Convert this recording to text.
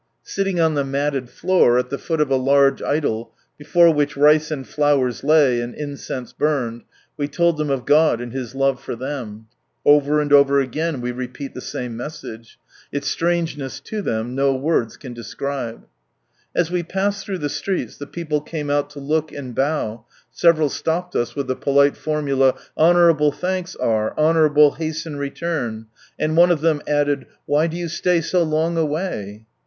Sitting on the matted lloor, idol before which rice and flowers lay, and incense burned, w and His love for them. Over and over again we repeat the strangeness to them, no words can describe. As we passed through the streets the people came out to look and bow, several stopped us with the polite formula, '' Honourable thanks are, honourably hasten return," and one of them added " Why do you stay so long away